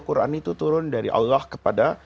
quran itu turun dari allah kepada